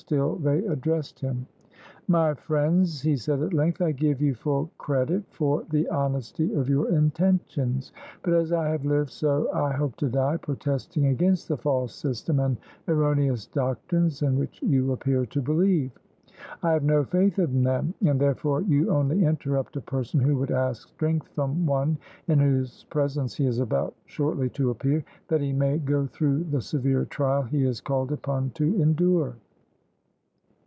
Still they addressed him. "My friends," he said at length, "I give you full credit for the honesty of your intentions, but as I have lived so I hope to die, protesting against the false system and erroneous doctrines in which you appear to believe. I have no faith in them, and, therefore, you only interrupt a person who would ask strength from One in whose presence he is about shortly to appear, that he may go through the severe trial he is called upon to endure."